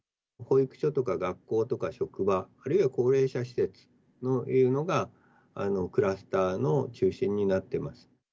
保育所とか学校とか職場、あるいは高齢者施設というのが、クラスターの中心になっています。